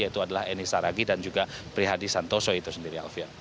yaitu adalah eni saragi dan juga prihadi santoso itu sendiri alfian